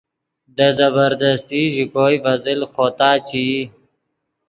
دے زبردستی ژے کوئے ڤے زل خوتا چے ای